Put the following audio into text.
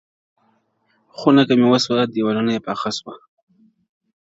خونه که مي وسوه، دېوالونه ئې پاخه سوه.